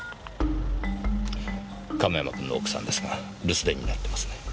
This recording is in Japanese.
亀山君の奥さんですが留守電になってますね。